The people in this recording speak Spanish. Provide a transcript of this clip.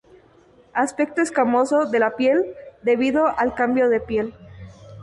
Aspecto escamoso de la piel debido al cambio de piel.